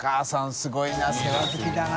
すごいな世話好きだな。